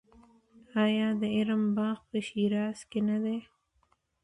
آیا د ارم باغ په شیراز کې نه دی؟